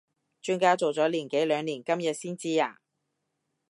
磚家做咗年幾兩年今日先知呀？